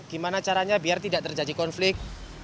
gimana caranya biar tidak terjadi konflik